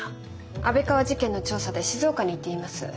安倍川事件の調査で静岡に行っています。